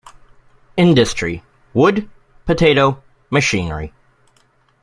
Industry: Wood, potato, machinery.